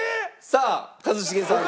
さあ一茂さん